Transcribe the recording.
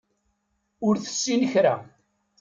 Ur tessin kra.